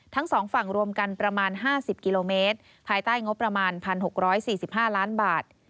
ทั้งสองฝั่งรวมกันประมาณ๕๐กิโลเมตรภายใต้งบประมาณ๑๖๔๕ล้านบาท